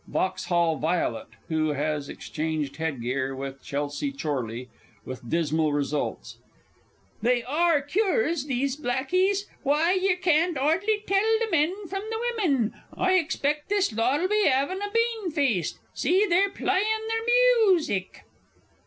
VAUXHALL VOILET (who has exchanged headgear with CHELSEA CHORLEY with dismal results). They are cures, those blackies! Why, yer carn't 'ardly tell the men from the wimmin! I expect this lot'll be 'aving a beanfeast. See, they're plyin' their myusic.